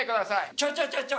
ちょちょちょちょ。